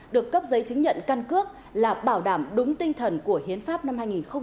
được cấp giấy chứng nhận căn cước là bảo đảm đúng tinh thần của hiến pháp năm hai nghìn một mươi ba